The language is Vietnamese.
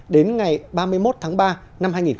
đến ngày ba mươi một tháng ba năm hai nghìn hai mươi